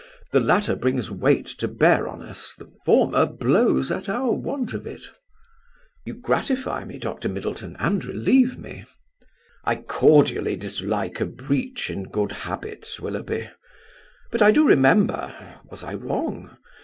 The latter brings weight to bear on us; the former blows at our want of it." "You gratify me, Doctor Middleton, and relieve me." "I cordially dislike a breach in good habits, Willoughby. But I do remember was I wrong?